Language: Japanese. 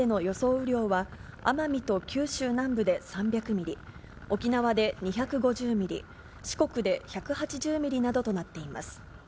雨量は、奄美と九州南部で３００ミリ、沖縄で２５０ミリ、四国で１８０ミリなどとなっています。